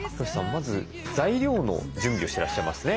まず材料の準備をしてらっしゃいますね。